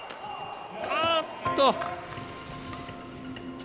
あっと！